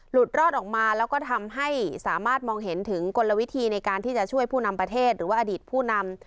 รอดออกมาแล้วก็ทำให้สามารถมองเห็นถึงกลวิธีในการที่จะช่วยผู้นำประเทศหรือว่าอดีตผู้นำ